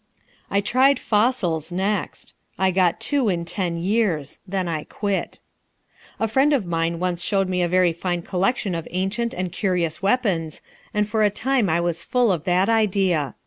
I tried fossils next. I got two in ten years. Then I quit. A friend of mine once showed me a very fine collection of ancient and curious weapons, and for a time I was full of that idea.